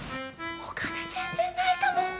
お金全然ないかも。